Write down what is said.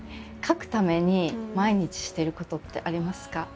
書くために毎日してることってありますか？